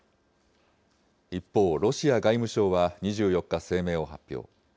一方、ロシア外務省は２４日、声明を発表。